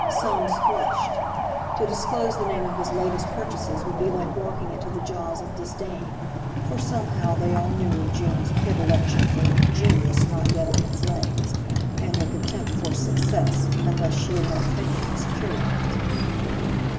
Soames flushed. To disclose the name of his latest purchases would be like walking into the jaws of disdain. For somehow they all knew of June's predilection for "genius" not yet on its legs, and her contempt for "success" unless she had had a finger in securing it.